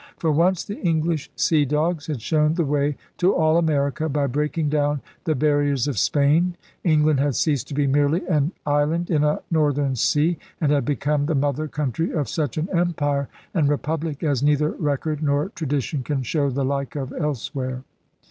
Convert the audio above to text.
For, once the English sea dogs had shown the way to all America by breaking down the bar riers of Spain, England had ceased to be merely an island in a northern sea and had become the mother 202 ELIZABETHAN SEA DOGS country of such an empire and republic as neither record nor tradition can show the like of elsewhere.